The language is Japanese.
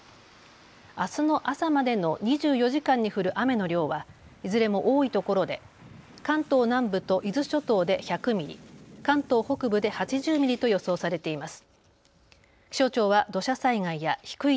あすの朝までの２４時間に降る雨の量はいずれも多いところで関東南部と伊豆諸島で１００ミリ、関東北部で８０ミリと予想されています。